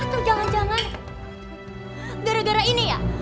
tuh jangan jangan gara gara ini ya